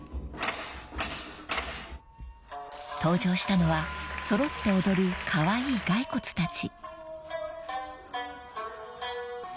［登場したのは揃って踊るカワイイ骸骨たち］